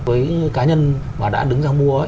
với cá nhân mà đã đứng ra mua